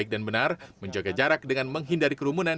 baik dan benar menjaga jarak dengan menghindari kerumunan